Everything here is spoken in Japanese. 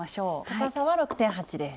高さは６．８です。